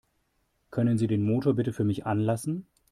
Können Sie den Motor bitte für mich anlassen?